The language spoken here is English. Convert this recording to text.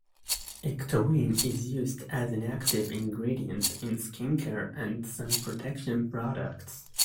Ectoine is used as an active ingredient in skin care and sun protection products.